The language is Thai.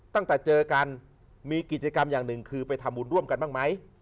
ตั้งแต่เจอกันมีกิจกรรมอย่างหนึ่งคือไปทำบุญร่วมกันบ้างไหม